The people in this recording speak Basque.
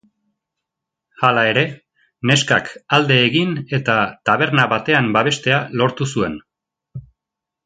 Hala ere, neskak alde egin eta taberna batean babestea lortu zuen.